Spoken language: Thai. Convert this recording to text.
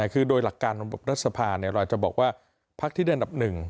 คือโดยหลักการระบบรัฐสภาเนี่ยเราอาจจะบอกว่าพักที่ได้นับหนึ่ง